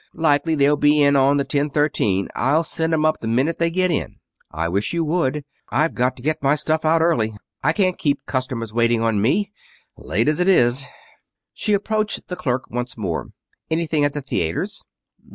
Likely they'll be in on the ten thirteen. I'll send 'em up the minute they get in." "I wish you would. I've got to get my stuff out early. I can't keep customers waiting for me. Late, as it is." She approached the clerk once more. "Anything at the theaters?"